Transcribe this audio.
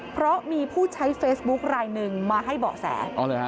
เพราะมีผู้ใช้เฟซบุ๊คลายหนึ่งมาให้เบาะแส